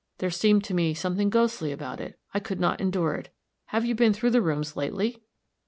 There seemed to me something ghostly about it I could not endure it. Have you been through the rooms lately?"